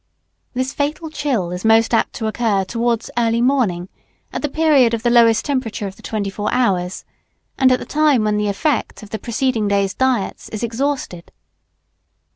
This fatal chill is most apt to occur towards early morning at the period of the lowest temperature of the twenty four hours, and at the time when the effect of the preceding day's diets is exhausted.